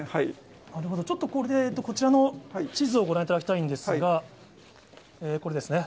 ちょっとこちらの地図をご覧いただきたいんですが、これですね。